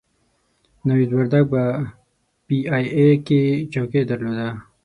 نوید وردګ په پي ای اې کې چوکۍ درلوده.